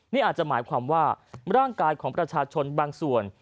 นี่อาจจะหมายความว่าร่างกายของประชาชนบางส่วน